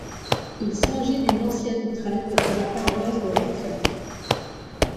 Il s'agit d'une ancienne trève de la paroisse de Ruffiac.